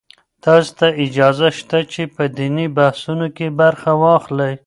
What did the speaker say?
تاسو ته اجازه شته چې په دیني بحثونو کې برخه واخلئ.